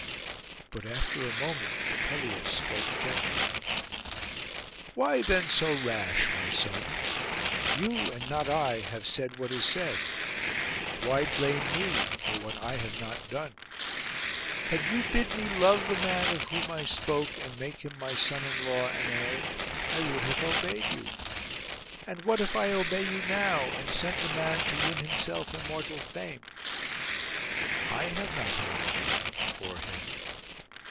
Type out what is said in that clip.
But after a moment Pelias spoke gently, 'Why then so rash, my son? You, and not I, have said what is said; why blame me for what I have not done? Had you bid me love the man of whom I spoke, and make him my son in law and heir, I would have obeyed you; and what if I obey you now, and send the man to win himself immortal fame? I have not harmed you, or him.